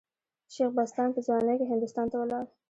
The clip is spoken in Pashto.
شېخ بستان په ځوانۍ کښي هندوستان ته ولاړ.